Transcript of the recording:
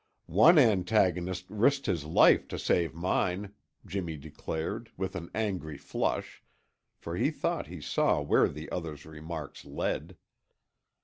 "One antagonist risked his life to save mine," Jimmy declared, with an angry flush, for he thought he saw where the other's remarks led.